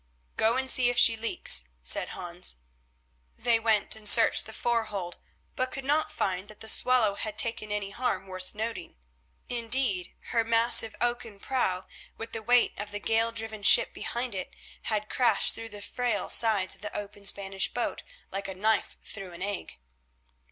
"Go and see if she leaks," said Hans. They went and searched the forehold but could not find that the Swallow had taken any harm worth noting. Indeed, her massive oaken prow, with the weight of the gale driven ship behind it, had crashed through the frail sides of the open Spanish boat like a knife through an egg.